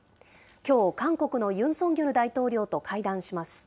きょう、韓国のユン・ソンニョル大統領と会談します。